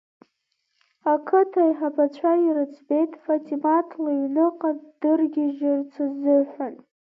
Ақыҭа аиҳабцәа ирыӡбеит, Фатимаҭ лыҩныҟа ддыргьыжьырц азыҳәан.